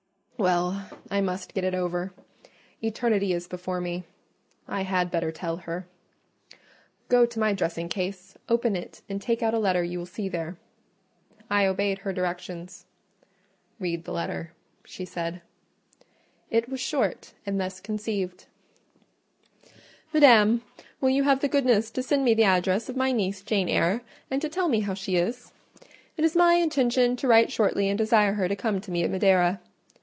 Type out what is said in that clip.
"Well, I must get it over. Eternity is before me: I had better tell her.—Go to my dressing case, open it, and take out a letter you will see there." I obeyed her directions. "Read the letter," she said. It was short, and thus conceived:— "MADAM,— "Will you have the goodness to send me the address of my niece, Jane Eyre, and to tell me how she is? It is my intention to write shortly and desire her to come to me at Madeira.